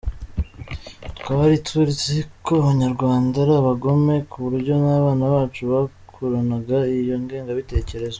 Twari tuzi ko Abanyarwanda ari abagome, ku buryo n’abana bacu bakuranaga iyo ngengabitekerezo.